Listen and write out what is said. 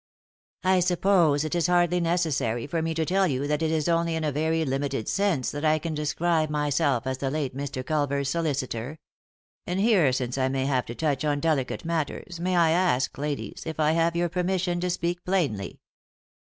" I suppose it is hardly necessary for me to tell you that it is only in a very limited sense that I can describe myself as the late Mr. Culver's solicitor. And here, since I may have to touch on delicate matters, may I ask, ladies, if I have your permission to speak plainly